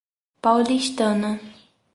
Paulistana